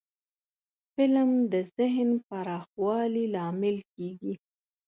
فلم د ذهن پراخوالي لامل کېږي